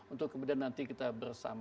untuk kemudian nanti kita bersama sama lagi